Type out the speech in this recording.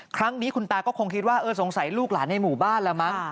ครั้งนี้คุณตาก็คงคิดว่าเออสงสัยลูกหลานในหมู่บ้านละมั้ง